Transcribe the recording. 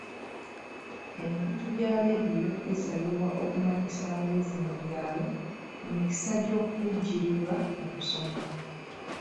Emikutu gya laadiyo gisabibwa okumanyisa abayizi mu byalo ku mikisa gy'okuvujjirirwa mu kusoma.